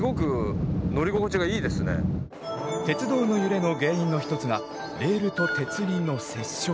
鉄道の揺れの原因の一つがレールと鉄輪の接触。